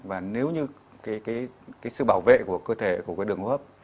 và nếu như cái sự bảo vệ của cơ thể của cái đường hô hấp